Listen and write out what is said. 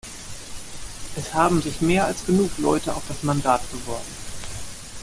Es haben sich mehr als genug Leute auf das Mandat beworben.